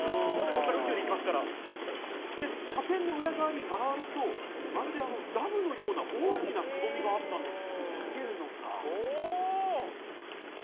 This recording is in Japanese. ここから宇宙に行きますから、射点の裏側に回ると、まるでダムのような大きな窪みがあったんです。